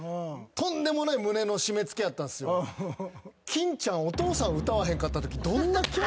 金ちゃんお父さん歌わへんかったとき。